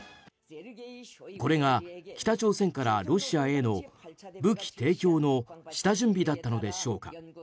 これが北朝鮮からロシアへの武器提供の下準備だったのでしょうか。